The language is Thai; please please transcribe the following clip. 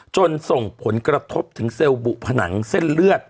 ส่งผลกระทบถึงเซลล์บุผนังเส้นเลือด